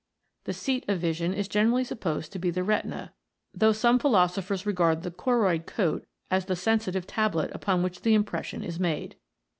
The seat of vision is generally supposed to be the retina, though some philosophers regard the choroid coat as the sensitive tablet upon which the impres sion is made.